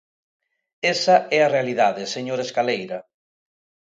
Esa é a realidade, señor Escaleira.